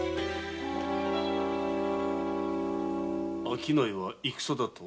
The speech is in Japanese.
商いは戦だと？